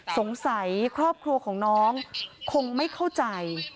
ครอบครัวของน้องคงไม่เข้าใจ